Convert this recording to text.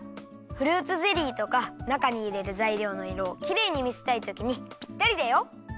フルーツゼリーとかなかにいれるざいりょうのいろをきれいにみせたいときにぴったりだよ。